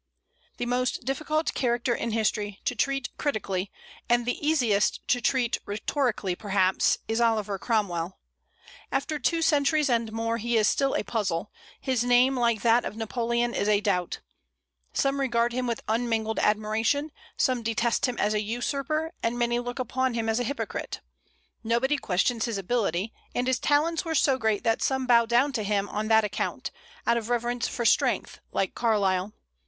The most difficult character in history to treat critically, and the easiest to treat rhetorically, perhaps, is Oliver Cromwell; after two centuries and more he is still a puzzle: his name, like that of Napoleon, is a doubt. Some regard him with unmingled admiration; some detest him as a usurper; and many look upon him as a hypocrite. Nobody questions his ability; and his talents were so great that some bow down to him on that account, out of reverence for strength, like Carlyle.